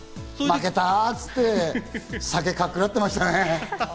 っつって、酒かっくらってましたね。